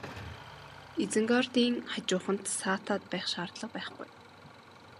Изенгардын хажууханд саатаад байх шаардлага байхгүй.